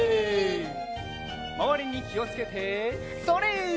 まわりにきをつけてそれ！